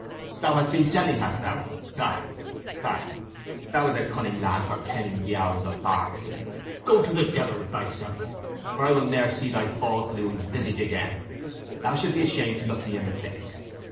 "Thou hast been selling, hast thou? Ay ay, thou is a cunning lad for kenning the hours of bargaining. Go to the devil with thyself, for I will ne'er see thy fause loon's visage again; thou should be ashamed to look me in the face."